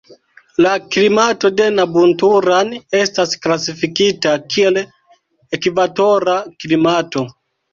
La klimato de Nabunturan estas klasifikita kiel ekvatora klimato.